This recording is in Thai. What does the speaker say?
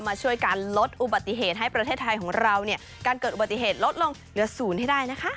ช่วยการลดอุบัติเหตุให้ประเทศไทยของเราเนี่ยการเกิดอุบัติเหตุลดลงเหลือศูนย์ให้ได้นะคะ